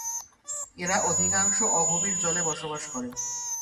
এরা অধিকাংশ অগভীর জলে বসবাস করে।